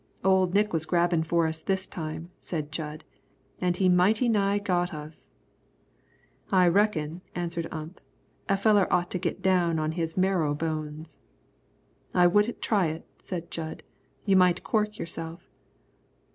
"Old Nick was grabbin' for us this time," said Jud, "an' he mighty nigh got us." "I reckon," answered Ump, "a feller ought to git down on his marrow bones." "I wouldn't try it," said Jud. "You might cork yourself."